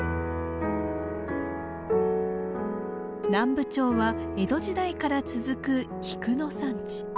南部町は江戸時代から続く菊の産地。